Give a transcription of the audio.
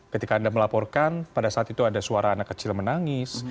ketika anda melaporkan pada saat itu ada suara anak kecil menangis